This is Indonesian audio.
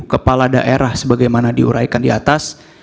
kepala daerah sebagaimana diuraikan di atas